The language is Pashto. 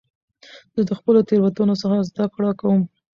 زه د خپلو تېروتنو څخه زده کړه کوم.